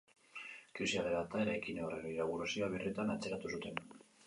Krisia dela eta, eraikin horren inaugurazioa birritan atzeratu zuten.